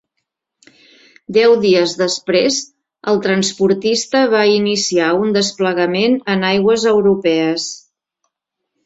Deu dies després, el transportista va iniciar un desplegament en aigües europees.